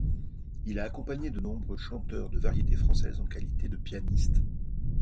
Il a accompagné de nombreux chanteurs de variété française en qualité de pianiste.